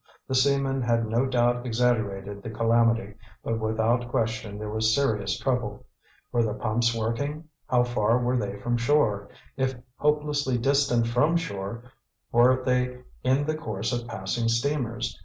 The seamen had no doubt exaggerated the calamity, but without question there was serious trouble. Were the pumps working? How far were they from shore? If hopelessly distant from shore, were they in the course of passing steamers?